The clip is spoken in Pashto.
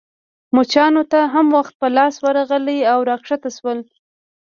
مچانو ته هم وخت په لاس ورغلی او راکښته شول.